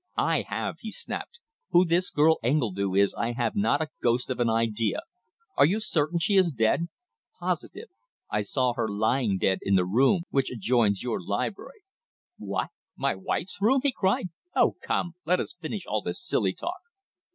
"I have," he snapped. "Who this girl Engledue is I have not a ghost of an idea. Are you certain she is dead?" "Positive. I saw her lying dead in the room which adjoins your library." "What! My wife's room!" he cried. "Oh, come let us finish all this silly talk."